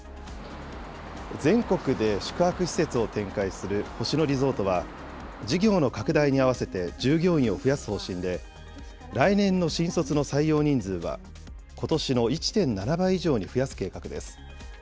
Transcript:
全国で宿泊施設を展開する星野リゾートは、事業の拡大に合わせて従業員を増やす方針で、来年の新卒の採用人数は、ことしの１．７倍以上に増やす計画です。